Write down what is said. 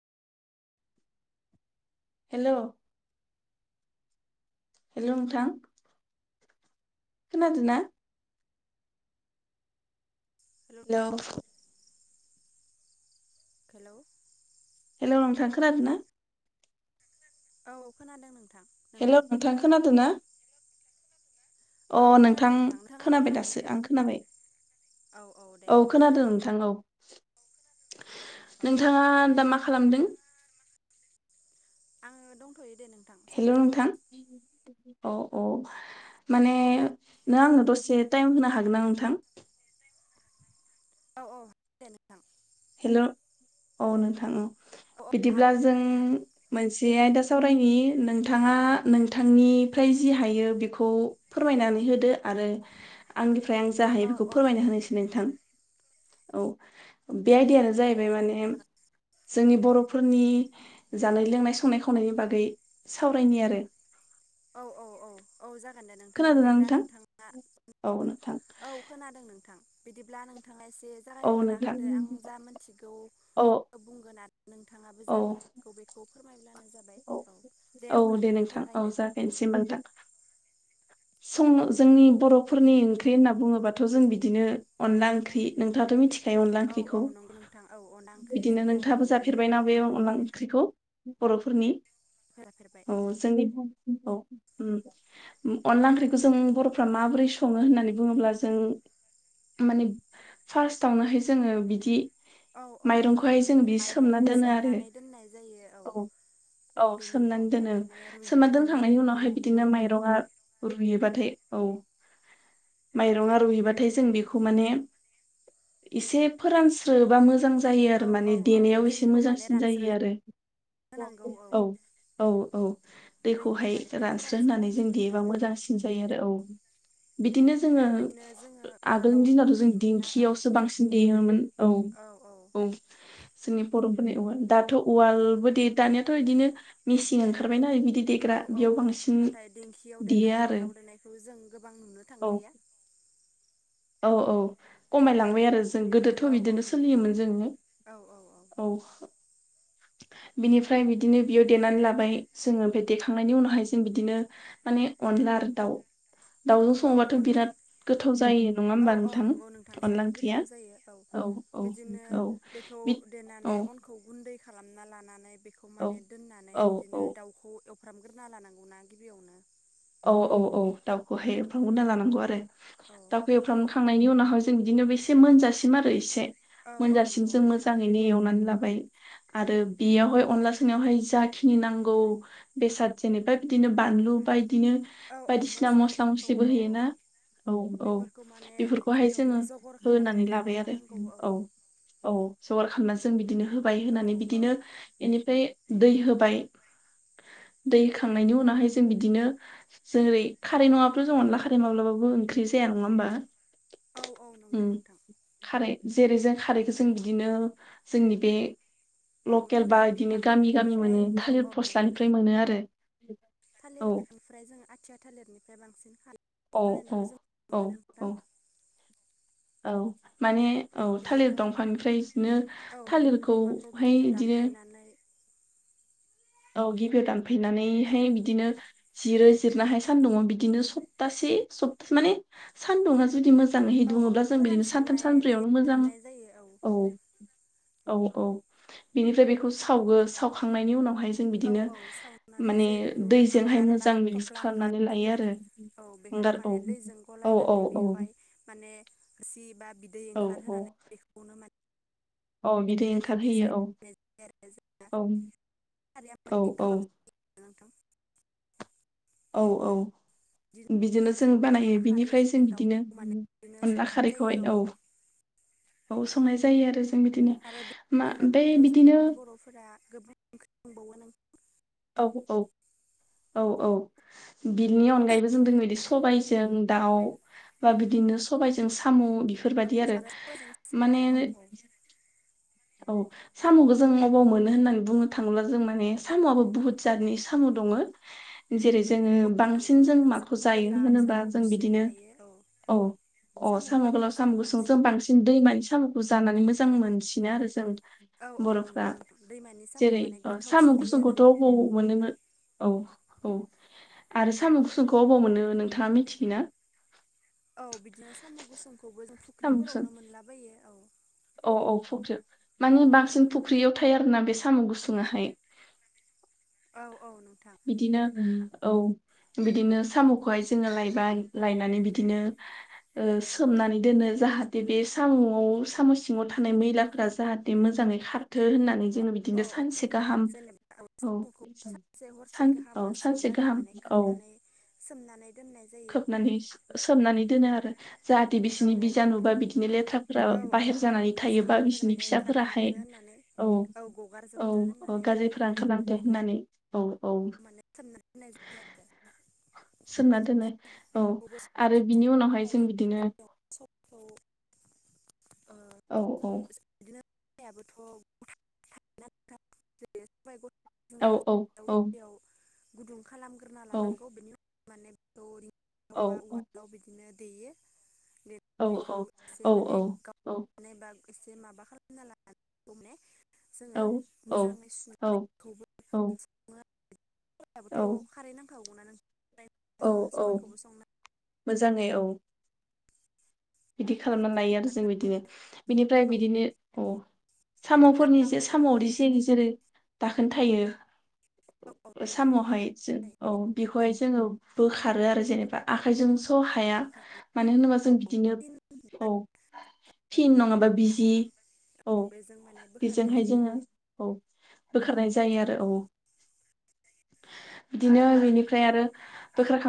Hello hello नोंथां खोनादोना। Hello hello hello नोंथां खोनदोना? औ खोनादों नों हेल' नोंथां खोनादो ना? अ औ नोंथां खोनादों नोंथाङालाय खोनाबाय खोनादों दासो आं खोनाबाय। औ दे औ खोनादों नोंथां औ। औ नोंथाङा दा मा खालामदों। आङो दंथ'यो। दे नोंथां हेल' सम दङ औ नोंथां औ औ माने नोंथां नों आंनो दसे टाइम होनो हागोन ना नोंथां। औ औ दे नोंथां। हेल' औ नोंथां औ औ बिदिब्ला हागोन जों नोंथां मोनसे आयदा साव नोंथाङा नोंथांनिफ्राय जि हायो बेखौ फोरमायनानै होदो आरो। आंनिफ्राय आं जा हायो औ बेखौ औ फोरमायना होनोसै नोंथां औ। बे आयदियानो औ जाहैबाय माने जोंनि बर'फोरनि जानाय लोंनाय संनाय खावनायनि बागै सावरायनि आरो। औ औ औ औ जा सानदो नोंथां खोनादोंना बिदिब्ला नोंथां नोंथाङा औ नोंथां औ खोनादों नोंथां। बिदिब्ला नोंथाङा एसे औ जागायग्रोना नोंथां होदो आं जा मिथिगौ औ बुंगोन। नोंथाङाबो औ जा मोनथिगौ बेखौ फोरमायब्लानो जाबाय औ दे औ अब्ला नोंथां जागायदो। दे ओमबा नोंथां। सं औ जोंनि बर' फोरनि ओंख्रि होनना बुङोबाथ' जों बिदिनो अनला ओंख्रि नोंथाङाथ' मिथि फाय अनला औ औ ओंख्रिखौ नंगौ नोंथां औ अनला ओंख्रि बिदिनो जोंनि नोंथाङाबो बर'नि जाफेरबायना बे अनला ओंख्रिखौ? बर'फोरनि बेयो होफेरबाय औ जोंनि अनला ओंख्रिखौ जों बर'फ्रा माबोरै सङो होननानै बुङोब्ला जों माने फार्स्टावनोहाय जोङो बिदि औ औ नंगौ माइरंखौहाय जों बिदि सोमना माइरंखौ दोनो आरो सोमनानै दोननाय जायो औ औ बेनि सोमनानै उनावहाय दोनो माने सोमनानै रुइहोनानै दोनखांनायनि बेखौ उनावहाय बिदिनो औ माइरङा रुयो औ माइ रुबाथाय जों बेखौ मान एसे फोरानस्रो बा मोजां जायो आरो औ माने औौ औ देनायाव एसे दैखौ माने मोजांसिन रानस्रो जायो आरो औ औ औ दैखौ दैखौहाय माने रानस्रो होननानै फोरानस्रोनाय जों जायो देबा औ मोजांसिन जायो आरो औ औ बिदिनो जोङो बिदिनो जोङो आगोलनि उवालावबो दिनावथ' जों देयोमोन ना औ दिंखियावसो बांसिन देयोमोन औ औ नि बर'फोरनि उवाल दाथ' उवालबो दे दानियााथ' बिदिनो मेसिन ओंखारबायनाा बिदि दै देग्रा बेयाव बांसिन देयो आवदायनाय आरो उवालाव देनायखौ जों गोबां नुनो औ थांलिया औ औ खमायलांबाय आरो जों गोदोथ' औ औ बिदिनो नोंथां सोलियोमोन जोङो औ बिनिफ्राय बिदिनो बियाव देनानै लाबाय जोङो ओमफ्राय देखांनायनि उनावहाय जों बिदिनो माने अनला आरो दाउ दाउजों औ सङोबाथ' अन बिराद गोथाव जायो नङा औ होमबा औ नोंथां नंगौ नोंथां अनला जोबोर ओंख्रिया गोथाव जायो औ औ बिदिनो औ बेखौ बि देनानै औ अनखौ गुन्दै खालामना लानानै बेखौ औ माने दोननानै औ औ बिदिनो दाउखौ एवफ्रामग्रोना लानांगौना गिबियावनो औ औ औ दाउखौहाय एवफ्रामग्रा जानांगौ आरो औ दाउखौ एवफ्रामखांनायनि उनाव आ जों बिदिनो एसे मोनजासिम आरो एसे औ औ मोनजासिम नंगौ जों नोंथां मोजाङैनो एवनानै लाबाय आरो बेयावहाय अनला सोंनायावहाय जाखिनि नांगौ बेसाद जेनेबा बिदिनो बानलु बा बिदिनो औ औ बायदिसिना मस्ला मस्लाफोरखौ मस्लिबो औ औ होयोना औ औ बेफोरखौ माने बेफोरखौहाय गिबियावनो जोङो जगर होनानै खालामग्रोना लाबाय आरो लाखानांगौ औ औ जगार खालामनानै जों बिदिनो होबाय औ होनानै औ बिदिनो बेनिफ्राय दै होबाय दै होखांनायनि उनावहाय जों बिदिनो जेरै खारै नङाबाथ' जों अनला खारै माब्लाबाबो ओंख्रि जाया नङा होमबा औ औ उम नंगौ नोंथां खारै जेरै जों खारैखौ जों बिदिनो जोंनि बे औ लकेल थालिर बा बिदिनो गामि गामि बिफांनिफ्राय मोनो औ थालिर फस्लानिफ्राय मोनो आरो औ थालिरनिफ्राय जोङो आथिया थालिरनिफ्राय बांसिन खालाम औ औ बानायनायखौ जों नुनो औ मोनो नोंथां औ औ माने औ थालिर बिदिनो दंफांनिफ्राय बिदिनो औ थालिर दंफांखौ थालिरखौहाय गिबियाव बिदिनो दानफायनानै औ गिबियाव औ दानफैनानैहाय बिदिनो जिरो जिरनो हाय सानदुङाव बिदिनो सप्तासे सब माने सानदुंङा जुदि मो जांहै औ औ दुङोब्ला जों बिदिनो सानथाम फोरानस्रोनानै सानब्रैयावनो मोजां होनाय जायो औ औ औ बेनिफ्राय बेखौ सावगो सावखांनायनि उनावहाय जों औ बिदिनो औ सावनानै माने जिहेथु दैजोंहाय हांगार बा मोजां मिक्स हाथफ्ला खालामनानै ओंखारो लायो आरो औ बेखौ हांगार औ माने दैजों औ औ गलायनानै बेवहाय माने सि बा बिदै औ औ ओंखारहोनानै बेखौनो मोन औ बिदि ओंखारहोयो औ हिसाबै जानाय जायो आरो जोंना खारैया औ औ माने औ गोबाब जायो नोंथां औ औ बिदिनो जों बानायो अनला बिनिफ्राय खारैजों जों बिदिनो दाउखौ माने बिदिनो अनला संनाय जायो खारैखौहाय औ बाव संनाय जायो आरो जों बिदिनो आरो बे मा मिथिंगाथ' ओमफ्राय जों बिदिनो बर'फोरा गोबांं ओंख्रि बावो औ औ औ औ बिनि अनगायैबो जों [unintelligible] बिदि सबायजों दाउ बा बिदि बिदिनो सबायजों साम' बेफोरबायदि आरो सबायजों साम' माने औ औ साम'खौ जों अबाव मोनो होननानै बुंनो थाङोब्ला जों माने साम'आबो बुहुत जातनि साम' दं। ङो जेरै जोङो बांसिन नंगौ जों नोंथां माखौ साम' जायो गोलाव होनोबा साम' जों गुसुं बिदिनो थायो औ। अ साम' गोलाव साम' गुसुं जों बांसिन दैमानि साम'खौ जानानै मोजां औ मोनसि [unintelligible] जों औ औ बर'फ्रा नंगौ नोंथां दैमानि साम'आ जेरै माने साम' गोथावसिन जायो आरो गुसुंखौथ' अबाव मोनोमोन औ औ आरो साम' गुसुंखौ अबाव मोनो नोंथाङा मिथियो ना? औ बिदिनो साम' गुसुंखौबो जों साम' गुसुं फुख्रिफोरावनो मोनलाबायो औ। औ औ फुख्रियाव मानि बांसिन फुख्रियाव थायो आरोना बे साम' गुसुं आहाय। [unintelligible] औ औ नोंथां बिदिनो औ। बिदिनो साम'खौहाय जोङो लायबा लायनानै बिदिनो ओ सोमनानै दोनो जाहाथे बे साम' साम' सिङाव थानाय मैलाफोरा जाहाथे मोजाङै खारथो होननानै जोङो औ बिदिनो औ सानसे गाहाम औ। से सान औ सानसे गाहामासिमहालागै गाहाम माने औ खोबनानै सोमनानै दोननाय जायो। खोबनानै सोमनानै दोनो आरो जाहाथे औ बिसिनि औ बिजानु बा नोंथां बिदिनो लेथ्राफोरा औ औ बाहेर औ जानानै थायोबा गाज्रिफोर बिसोरनि माने फिसाफोराहाय ओंखारलांथो होननानै औ औ गगारजोबथो औ होननानै गाज्रिफोरा ओंखारथो बेखौ होननानै औ औ माने सोमना दोन्नाय जायो आरो। सोमना बिदिनो दोनो औ बेखौबो आरो बिनि उनावहाय जों बिदिनो औ। औ औ। याबोथ' [inaudible] औ औ औ। गुदुं खालामग्रोना औ लानांगौ बेनि उनाव माने बरिं औ उवालाव बिदिनो देयो। औ देनानै बेखौ औ एसे औ माने औ औ। गावनानै बा एसे माबा खालामना लानानै [inaudible] जोङो मोजाङै सुनायखौबो औ औ सबायाबोथ' खारै नांखागौ ना [inaudible] औ जोङो औ सबाइखौबो संनो मोजाङै औ। बिदि खालामनानै लायो आरो जों बिदिनो बिनिफ्राय औ बिदिनो औ। ना साम'फोरनि जे साम'आवदि जिरि जिरि दाखोन थायो। औ औ नोंथां साम'वावहाय जों दाहाय औ बेखौहाय जोङो बोखारो आरो जेनेबा आखायजों थ' हाया नोंथां मानो होनोबा जों औ बिदिनो औ। फिन नङाबा बिजि जि औ बेजों माने बोखारनाय बेजोंहाय जायो जोङो औ। बोखारनाय जायो आरो औ। बिदिनो बेनिफ्राय आरो बोखार